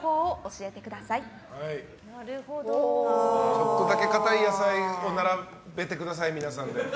ちょっとだけ硬い野菜を並べてください、皆さんで。